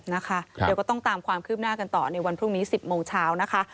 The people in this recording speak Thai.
เดี๋ยวก็ต้องตามความคืบหน้ากันต่อในวันพรุ่งนี้๑๐โมงเช้านะคะ